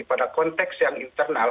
pada konteks yang internal